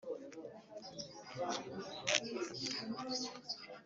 Mu rwego rwo kureba niba umuntu uyu nuyu babishoboye